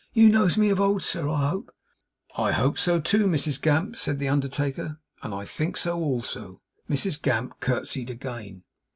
'You knows me of old, sir, I hope.' 'I hope so, too, Mrs Gamp,' said the undertaker, 'and I think so also.' Mrs Gamp curtseyed again.